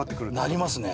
なりますね。